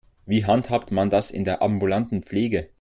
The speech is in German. Wie handhabt man das in der ambulanten Pflege?